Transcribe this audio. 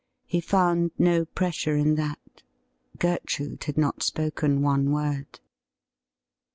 He found no pressure in that. Gertrude had not spoken one word.